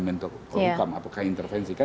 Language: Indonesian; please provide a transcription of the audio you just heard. mentok kodukam apakah intervensi